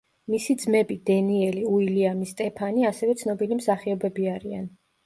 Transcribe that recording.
მისი ძმები დენიელი, უილიამი, სტეფანი ასევე ცნობილი მსახიობები არიან.